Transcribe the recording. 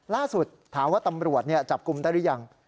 ล่าสุดถามว่าตำรวจจับกลุ่มได้หรือยัง